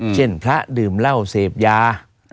เช่นพระดื่มเหล้าเสพยา